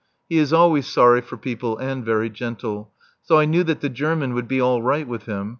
He is always sorry for people and very gentle. So I knew that the German would be all right with him.